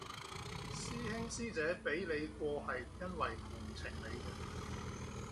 師兄師姐畀你過係因為同情你咋